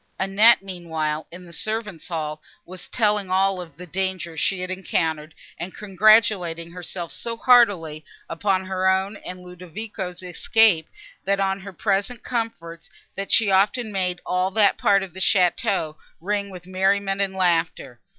Annette, meanwhile, in the servants' hall, was telling of all the dangers she had encountered, and congratulating herself so heartily upon her own and Ludovico's escape, and on her present comforts, that she often made all that part of the château ring with merriment and laughter.